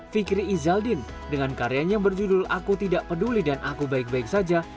fikri izaldin dengan karyanya berjudul aku tidak peduli dan aku baik baik saja